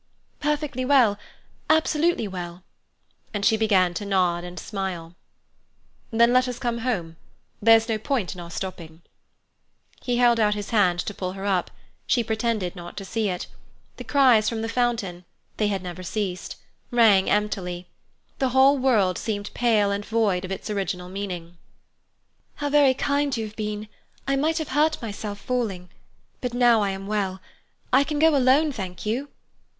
"Perfectly well—absolutely well." And she began to nod and smile. "Then let us come home. There's no point in our stopping." He held out his hand to pull her up. She pretended not to see it. The cries from the fountain—they had never ceased—rang emptily. The whole world seemed pale and void of its original meaning. "How very kind you have been! I might have hurt myself falling. But now I am well. I can go alone, thank you."